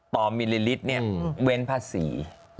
ต่อมิลลิตรเนี่ยเว้นภาษี